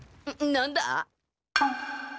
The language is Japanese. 何だ？